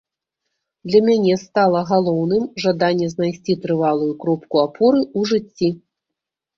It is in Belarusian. Для мяне стала галоўным жаданне знайсці трывалую кропку апоры ў жыцці.